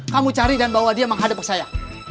kamu cari dan bawa dia menghadap ke saya